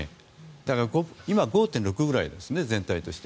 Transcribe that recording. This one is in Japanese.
だから今、５．６くらいですね全体として。